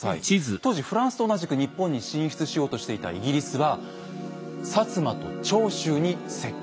当時フランスと同じく日本に進出しようとしていたイギリスは摩と長州に接近。